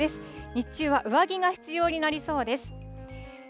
日中は上着が必要になりそうです。